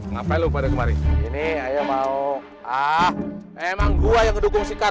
ngapain lu pada kemarin ini viel mau ahh emang gua yang dukung sikar